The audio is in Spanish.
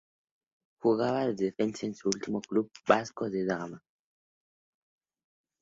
Jugaba de defensa y su último club fue Vasco Da Gama.